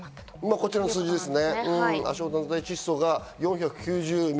こちらの数値ですね。